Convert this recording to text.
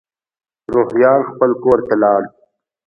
روهیال خپل کور ته لاړ.